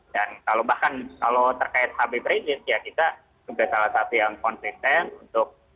dan kalau bahkan kalau terkait habib ridzis ya kita juga salah satu yang konsisten